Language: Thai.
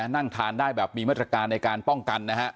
นั่งทานได้แบบมีมาตรการในการป้องกันนะฮะ